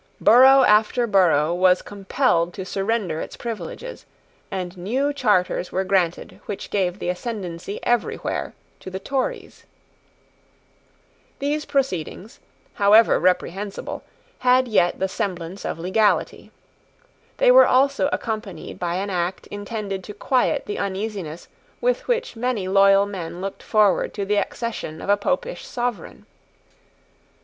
Borough after borough was compelled to surrender its privileges; and new charters were granted which gave the ascendency everywhere to the Tories. These proceedings, however reprehensible, had yet the semblance of legality. They were also accompanied by an act intended to quiet the uneasiness with which many loyal men looked forward to the accession of a Popish sovereign.